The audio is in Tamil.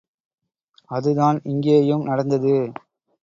அதுதான் இங்கேயும் நடந்தது.